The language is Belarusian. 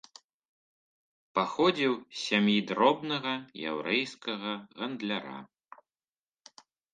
Паходзіў з сям'і дробнага яўрэйскага гандляра.